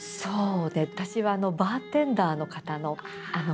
私はあのバーテンダーの方のあの声。